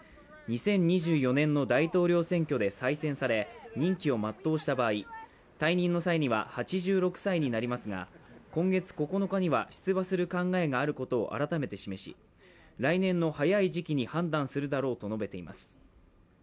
２０２４年の大統領選挙で再選され任期を全うした場合、退任の際には８６歳になりますが、今月９日には出馬する考えがあることを改めて示し、来年の早い時期に判断するだろうと述べています。